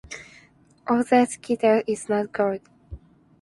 “All that glitters is not gold.”